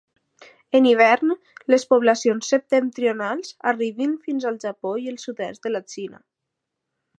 En hivern les poblacions septentrionals arribin fins al Japó i el sud-est de la Xina.